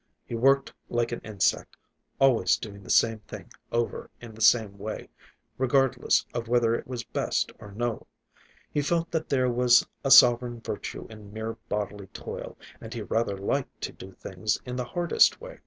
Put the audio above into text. He worked like an insect, always doing the same thing over in the same way, regardless of whether it was best or no. He felt that there was a sovereign virtue in mere bodily toil, and he rather liked to do things in the hardest way.